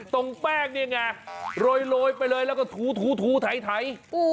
ตรงแป้งนี่ไงโรยไปเลยแล้วก็ถูไถ